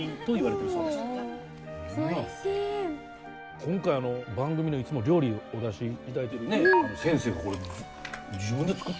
今回あの番組でいつも料理お出しいただいてるね先生が自分で作った。